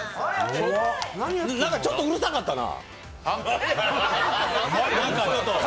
なんか、ちょっとうるさかったな。